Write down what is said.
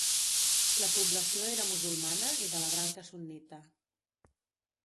La població era musulmana i de la branca sunnita.